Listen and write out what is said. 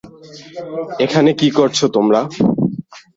এখানে কী করছো তোমরা?